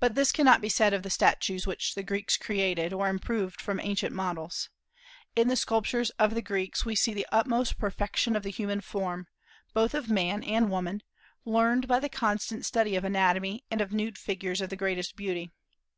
But this cannot be said of the statues which the Greeks created, or improved from ancient models. In the sculptures of the Greeks we see the utmost perfection of the human form, both of man and woman, learned by the constant study of anatomy and of nude figures of the greatest beauty.